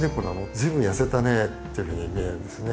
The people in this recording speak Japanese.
随分痩せたね」っていうふうに見えるんですね。